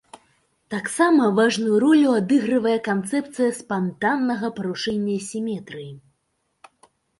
Таксама важную ролю адыгрывае канцэпцыя спантаннага парушэння сіметрыі.